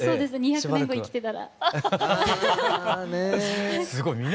すごい。